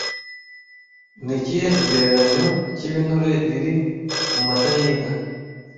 Ni ikihe kigereranyo cy'ibinure biri mu mata y'inka